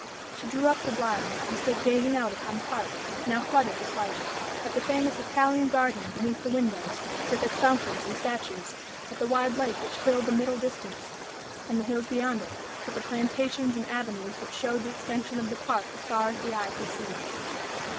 She drew up the blinds, and stood gazing out upon the park, now flooded with light; at the famous Italian garden beneath the windows, with its fountains and statues; at the wide lake which filled the middle distance; and the hills beyond it, with the plantations and avenues which showed the extension of the park as far as the eye could see.